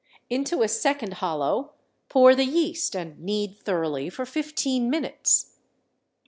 Into a second hollow pour the yeast and knead thoroughly for fifteen minutes.